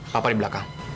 papa di belakang